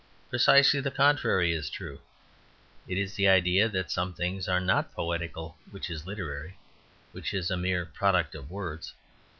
Precisely the contrary is true. It is the idea that some things are not poetical which is literary, which is a mere product of words.